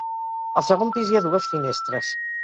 Al segon pis hi ha dues finestres.